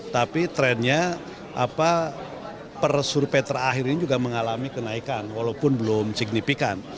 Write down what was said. tapi trennya per survei terakhir ini juga mengalami kenaikan walaupun belum signifikan